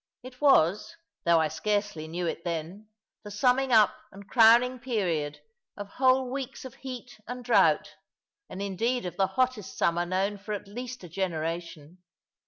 It was, though I scarcely knew it then, the summing up and crowning period of whole weeks of heat and drought, and indeed of the hottest summer known for at least a generation.